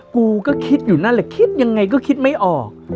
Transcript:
กูก็คิดอยู่นั่นแหละคิดยังไงก็คิดไม่ออก